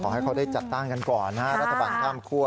ให้เขาได้จัดตั้งกันก่อนนะรัฐบาลข้ามคั่ว